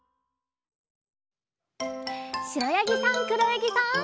しろやぎさんくろやぎさん。